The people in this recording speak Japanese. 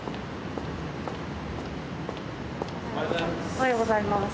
おはようございます。